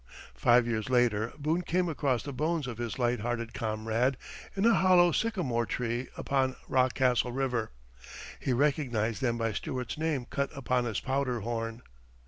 Five years later Boone came across the bones of his light hearted comrade in a hollow sycamore tree upon Rockcastle River he recognized them by Stuart's name cut upon his powder horn.